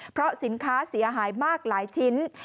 เพราะสินค้าเสียหายมากหลายชิ้น